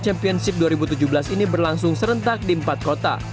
championship dua ribu tujuh belas ini berlangsung serentak di empat kota